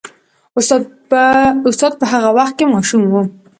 استاد په هغه وخت کې ماشوم و.